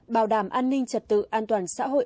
bảo đảm an ninh trật tự an toàn xã hội